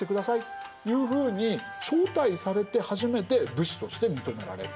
いうふうに招待されて初めて武士として認められる。